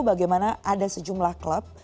bagaimana ada sejumlah klub